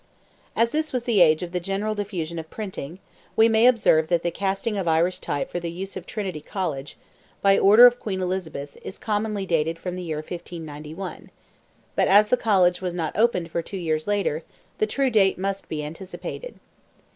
As this was the age of the general diffusion of printing, we may observe that the casting of Irish type for the use of Trinity College, by order of Queen Elizabeth, is commonly dated from the year 1591; but as the College was not opened for two years later, the true date must be anticipated.